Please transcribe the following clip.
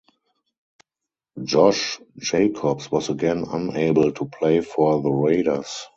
Josh Jacobs was again unable to play for the Raiders.